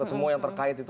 semua yang terkait itu